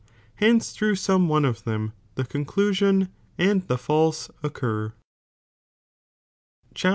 Hence through some one of them the conclusion and the faUe Chap.